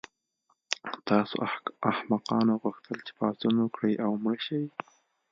تاسو احمقانو غوښتل چې پاڅون وکړئ او مړه شئ